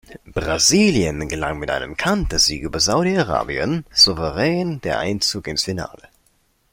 Brasilien gelang mit einem Kantersieg über Saudi-Arabien souverän der Einzug ins Finale.